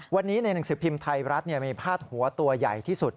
วันนี้ในหนังสือพิมพ์ไทยรัฐมีพาดหัวตัวใหญ่ที่สุด